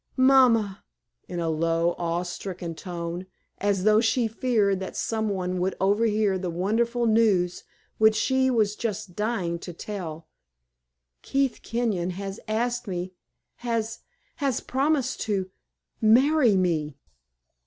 "Mamma" in a low, awe stricken tone, as though she feared that some one would overhear the wonderful news which she was just dying to tell "Keith Kenyon has asked me has has promised to marry me!"